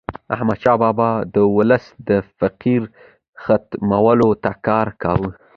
احمدشاه بابا به د ولس د فقر ختمولو ته کار کاوه.